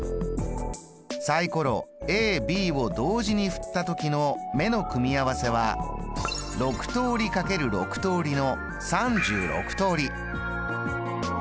サイコロＡＢを同時に振ったときの目の組み合わせは６通り×６通りの３６通り。